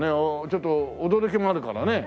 ちょっと驚きもあるからね。